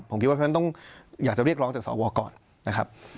ผมคิดว่าเพราะฉะนั้นต้องอยากจะเรียกร้องจากสวก่อนนะครับ